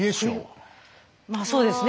まあそうですね。